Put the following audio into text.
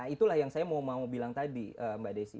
itulah yang saya mau bilang tadi mbak desi